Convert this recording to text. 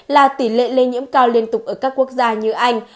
là tỷ lệ lây nhiễm cao liên tục ở các quốc gia như anh